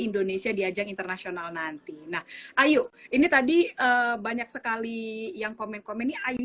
indonesia di ajang internasional nanti nah ayu ini tadi banyak sekali yang komen komen ini ayu